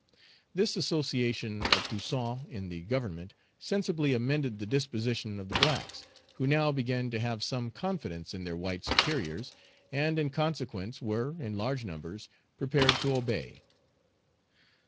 This association of Toussaint in the Government sensibly amended the disposition of the blacks, who now began to have some confidence in their white superiors, and in consequence were, in large numbers, prepared to obey.